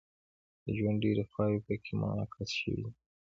د ژوند ډیرې خواوې پکې منعکس شوې وي.